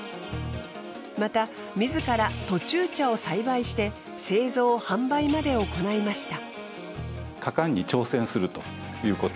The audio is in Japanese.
また自ら杜仲茶を栽培して製造・販売まで行いました。